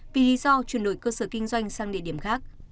vì lý do chuyển đổi cơ sở kinh doanh sang địa điểm khác